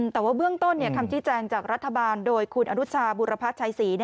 แต่ว่าเบื้องต้นคำชี้แจงจากรัฐบาลโดยคุณอนุชาบุรพัชชัยศรี